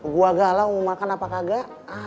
gue galau mau makan apa kagak